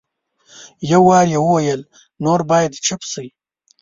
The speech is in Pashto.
یو وار یې وویل نور باید چپ شئ.